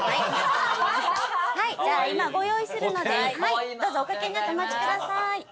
はいじゃあ今ご用意するのでどうぞお掛けになってお待ちください。